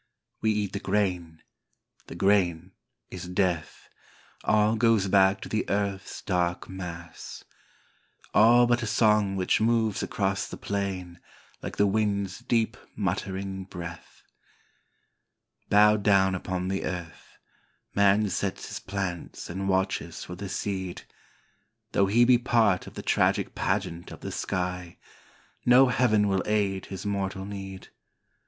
We eat the grain, the grain is death, all goes back to the earUi's dark mass, All but a song which moves across the plain like the wind's deep muttering breath. Bowed down upon the earth, man sets his plants and watches for the seed. Though he be part of the tragic pageant of the sky, no heaven will aid his mortal need.